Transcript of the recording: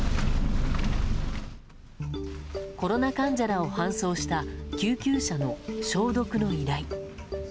コロナ患者らを搬送した救急車の消毒の依頼。